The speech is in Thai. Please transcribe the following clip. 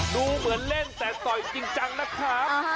ดูเหมือนเล่นแต่ต่อยจริงจังนะครับ